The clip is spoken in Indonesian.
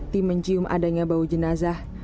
tim mencium adanya bau jenazah